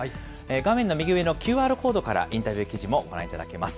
画面の右上のＱＲコードからインタビュー記事もご覧いただけます。